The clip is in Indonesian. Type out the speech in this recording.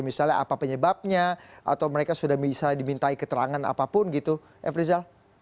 misalnya apa penyebabnya atau mereka sudah bisa dimintai keterangan apapun gitu f rizal